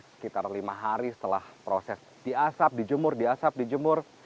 sekitar lima hari setelah proses diasap dijemur diasap dijemur